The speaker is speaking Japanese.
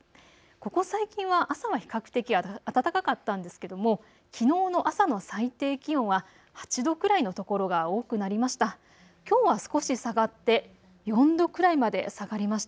ここ最近は朝は比較的暖かかったんですけどもきのうの朝の最低気温は８度くらいの所が多くなりました。